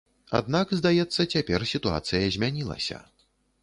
Аднак, здаецца, цяпер сітуацыя змянілася.